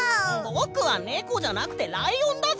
ぼくはネコじゃなくてライオンだぞ！